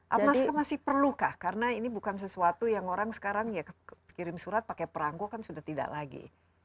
apakah masih perlukah karena ini bukan sesuatu yang orang sekarang ya kirim surat pakai perangko kan sudah tidak lagi